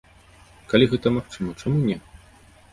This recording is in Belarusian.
Калі гэта магчыма, чаму не?